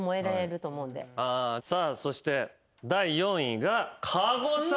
さあそして第４位が加護さん！